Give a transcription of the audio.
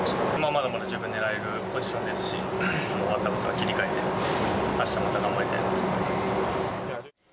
まだまだ十分狙えるポジションですし、終わったことは切り替えて、あしたまた頑張りたいなと思います。